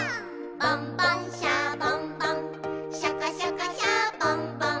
「ボンボン・シャボン・ボンシャカシャカ・シャボン・ボン」